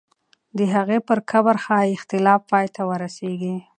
د هغې پر قبر ښایي اختلاف پای ته ورسېږي.